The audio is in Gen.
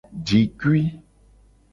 Jikui.